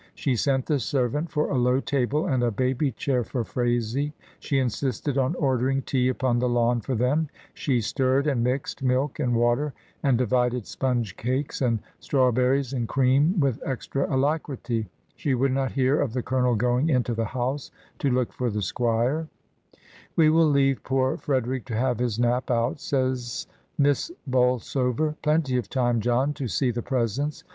She sent the servant for a low table and a baby chair for Phraisie; she insisted on ordering tea upon the lawn for them; she stirred and mixed milk and water, and divided sponge cakes and strawberries and cream with extra alacrity; she would not hear of the Colonel going into the house to look for the squire. UNDER THE CEDAR TREES. 283 "We will leave poor Frederick to have his nap out," sa3rs Miss Bolsover; "plenty of time, John, to see the presents.